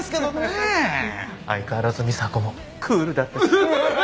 相変わらず美沙子もクールだったし。